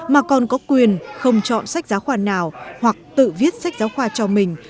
mà còn có quyền không chọn sách giáo khoa nào hoặc tự viết sách giáo khoa cho mình